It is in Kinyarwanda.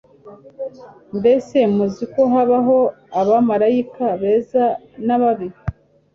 mbese muziko habaho abamalayika beza nababi